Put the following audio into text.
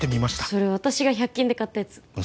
それ私が百均で買ったやつう